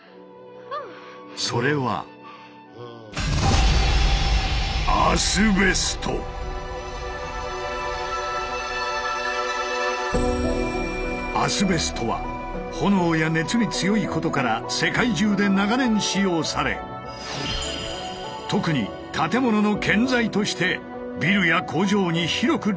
それはアスベストは炎や熱に強いことから世界中で長年使用され特に建物の建材としてビルや工場に広く利用されてきた。